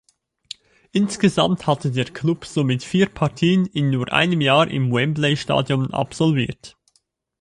Insgesamt hatte der Klub somit vier Partien in nur einem Jahr im Wembley-Stadion absolviert.